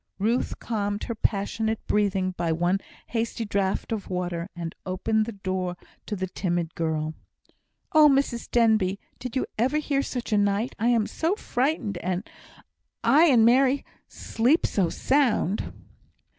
Ruth calmed her passionate breathing by one hasty draught of water, and opened the door to the timid girl. "Oh, Mrs Denbigh! did you ever hear such a night? I am so frightened! and Mary sleeps so sound."